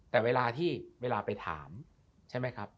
แต่เวลาที่เวลาไปถามใช่ไหมครับ